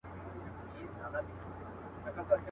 له ښار او کلي وتلی دم دی.